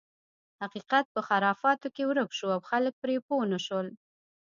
حقیقت په خرافاتو کې ورک شو او خلک یې پرې پوه نه شول.